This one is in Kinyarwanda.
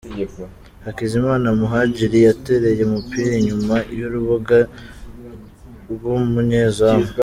Hakizimana Muhadjili yatereye umupira inyuma y'urubuga rw'umunyezamu.